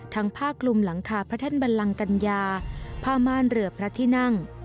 ผ้าคลุมหลังคาพระแท่นบันลังกัญญาผ้าม่านเรือพระที่นั่ง